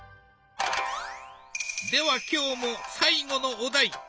では今日も最後のお題！